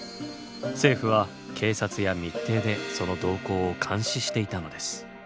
政府は警察や密偵でその動向を監視していたのです。